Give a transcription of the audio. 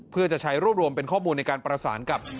เพื่อจะใช้รวบรวมเป็นข้อมูลในการประสานกับ